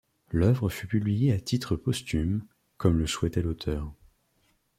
L’œuvre fut publiée à titre posthume, comme le souhaitait l'auteur.